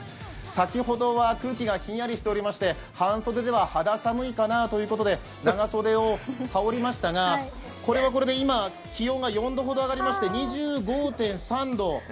先ほどは空気がひんやりしておりまして、半袖では肌寒いかなということで長袖を羽織りましたが、これはこれで、今、気温が４度ほど上がりまして、２５．３度。